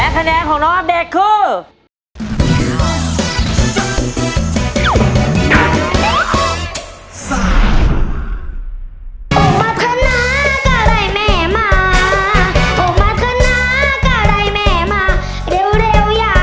แต่อัปเดตก็รู้เหมือนกันครับว่าผมก็เก่งให้หูเบาเหมือนกันครับ